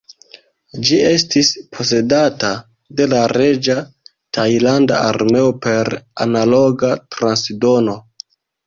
Ĝi estis posedata de la Reĝa Tajlanda Armeo per Analoga transdono.